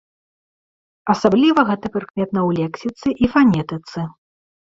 Асабліва гэта прыкметна ў лексіцы і фанетыцы.